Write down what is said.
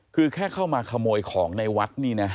คือแค่เข้ามาขโมยของในวัดนี่นะ